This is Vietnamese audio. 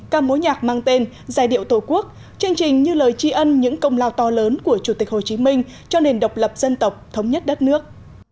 ca mối nhạc mang tên giai điệu tổ quốc chương trình như lời tri ân những công lao to lớn của chủ tịch hồ chí minh cho nền độc lập dân tộc thống nhất đất nước